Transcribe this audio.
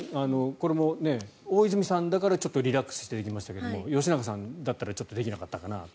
これも大泉さんだったからちょっとリラックスしてできましたけど吉永さんだったらちょっとできなかったかなと。